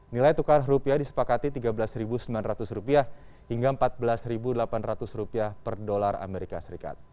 nilai tukar rupiah disepakati rp tiga belas sembilan ratus hingga rp empat belas delapan ratus per dolar as